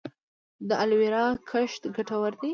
د الوویرا کښت ګټور دی؟